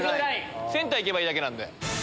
センター行けばいいだけなんで。